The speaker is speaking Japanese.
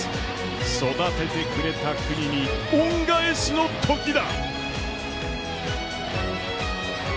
育ててくれた国に恩返しのときだ。